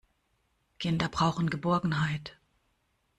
Kinder brauchen Geborgenheit.